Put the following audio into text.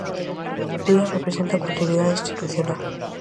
Lula representa a continuidade institucional.